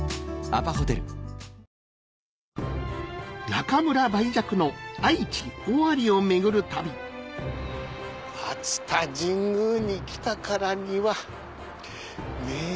中村梅雀の愛知・尾張を巡る旅熱田神宮に来たからにはねぇ